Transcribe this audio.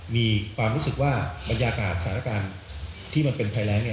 มีความรู้สึกว่าบรรยากาศสถานการณ์ที่มันเป็นภัยแรง